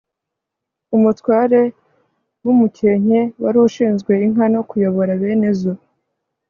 umutware w' umukenke wari ushinzwe inka no kuyobora bene zo